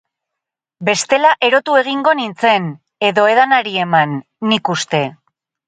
Bestela erotu egingo nintzen, edo edanari eman, nik uste.